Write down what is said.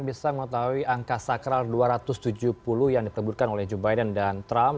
bisa mengetahui angka sakral dua ratus tujuh puluh yang diperbutkan oleh joe biden dan trump